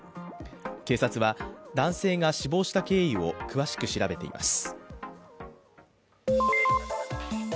警察は男性が死亡した経緯を詳しく調べています。